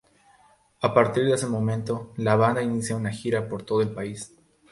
A partir de ese momento, la banda inicia una gira por todo el país.